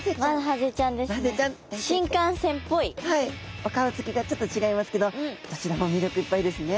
お顔つきがちょっと違いますけどどちらも魅力いっぱいですね。